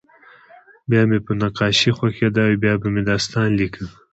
بیا به مې نقاشي خوښېده او یا به مې داستان لیکه